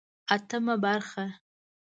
اتمه برخه